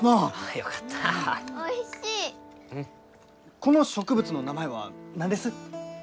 この植物の名前は何です？